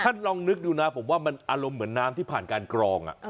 ลองนึกดูนะผมว่ามันอารมณ์เหมือนน้ำที่ผ่านการกรอง